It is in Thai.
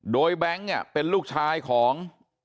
โดยแบ๊งเป็นลูกชายของ